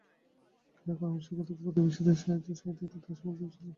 ক্রিয়াকর্মে সুখে দুঃখে প্রতিবেশীদের সহিত তাঁহার সম্পূর্ণ যোগ ছিল।